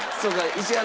石原